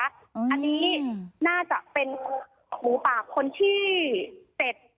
อันนี้น่าจะเป็นหมูปากคนที่เสร็จ